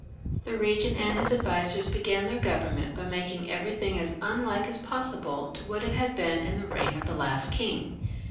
The regent and his advisers began their government by making everything as unlike as possible to what it had been in the reign of the last king.